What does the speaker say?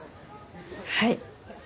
はい。